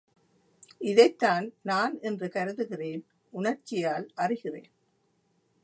இதைத்தான் நான் என்று கருதுகிறேன் உணர்ச்சியால் அறிகிறேன்.